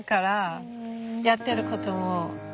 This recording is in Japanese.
やってることも一緒。